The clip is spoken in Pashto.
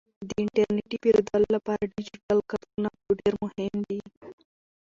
د انټرنیټي پیرودلو لپاره ډیجیټل کارتونه ډیر مهم دي.